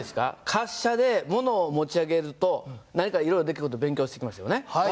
滑車でものを持ち上げると何かいろいろできる事を勉強してきましたよね。